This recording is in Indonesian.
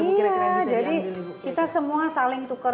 iya jadi kita semua saling tukar